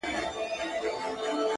لا ورکه له ذاهدهیاره لار د توبې نه ده,